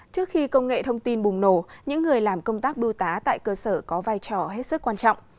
trước khi công nghệ thông tin bùng nổ những người làm công tác bưu tá tại cơ sở có vai trò hết sức quan trọng